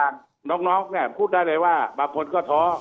พวกน้องพูดได้เลยว่าบางคนก็ท้อ